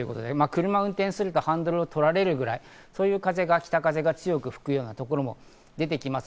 車を運転するとハンドルを取られるぐらい、それぐらいの北風が強く吹くようなところも出てきます。